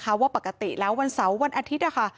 เพราะว่าปกติแล้ววันเสาร์วันอาทิตย์นะคะ